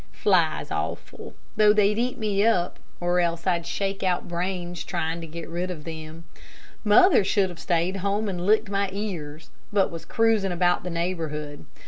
Flies awful. Thought they'd eat me up, or else I'd shake out brains trying to get rid of them. Mother should have stayed home and licked my ears, but was cruising about neighborhood.